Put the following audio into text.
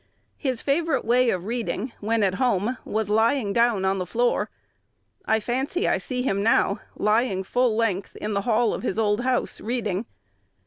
"His favorite way of reading, when at home, was lying down on the floor. I fancy I see him now, lying full length in the hall of his old house reading.